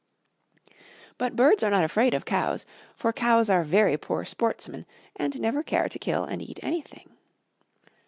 But birds are not afraid of cows, for cows are very poor sportsmen, and never care to kill and eat anything.